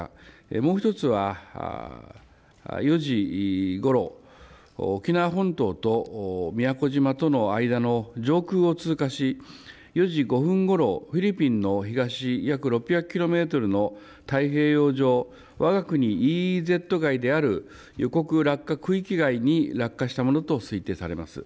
もう１つは４時ごろ、沖縄本島と宮古島との間の上空を通過し、４時５分ごろ、フィリピンの東約６００キロメートルの太平洋上、わが国ＥＥＺ外である予告落下区域外に落下したものと推定されます。